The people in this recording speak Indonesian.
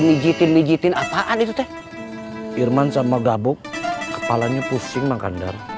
mijitin mijitin apaan itu teh irman sama gabung kepalanya pusing makandar